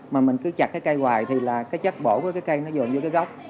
mà mình cứ chặt cái cây hoài thì là cái chất bổ của cái cây nó dồn vô cái góc